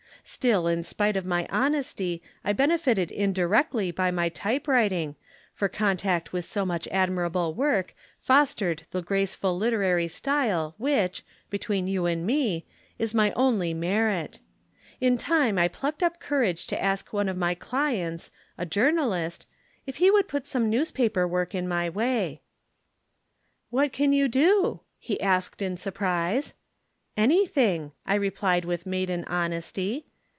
Still in spite of my honesty, I benefited indirectly by my type writing, for contact with so much admirable work fostered the graceful literary style which, between you and me, is my only merit. In time I plucked up courage to ask one of my clients, a journalist, if he could put some newspaper work in my way. 'What can you do?' he asked in surprise. 'Anything,' I replied with maiden modesty.